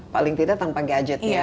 paling tidak tanpa gadget ya